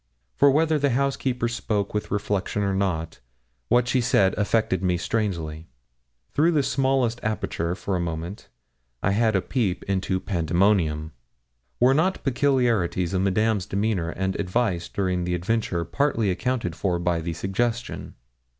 For whether the housekeeper spoke with reflection or not, what she said affected me strangely. Through the smallest aperture, for a moment, I had had a peep into Pandemonium. Were not peculiarities of Madame's demeanour and advice during the adventure partly accounted for by the suggestion?